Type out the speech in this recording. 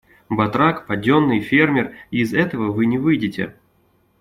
Батрак, поденный, фермер — и из этого вы не выйдете.